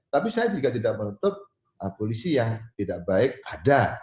tapi saya juga tidak menutup polisi yang tidak baik ada